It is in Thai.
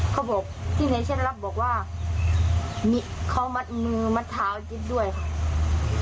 เขาบอกที่ในเส้นรับบอกว่าเขามัดมือมัดเท้ากินด้วยค่ะ